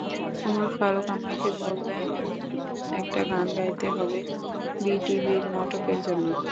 ওমর ফারুক আমাকে বললেন, একটা গান গাইতে হবে বিটিভির নাটকের জন্য।